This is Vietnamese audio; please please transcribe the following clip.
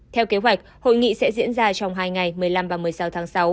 theo kế hoạch hội nghị sẽ diễn ra trong hai ngày một mươi năm và một mươi sáu tháng sáu